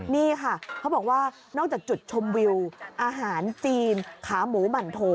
นี่ค่ะเขาบอกว่านอกจากจุดชมวิวอาหารจีนขาหมูหมั่นโท